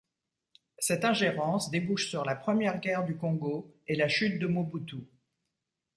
Cette ingérence débouche sur la première guerre du Congo et la chute de Mobutu.